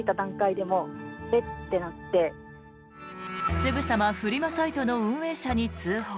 すぐさまフリマサイトの運営者に通報。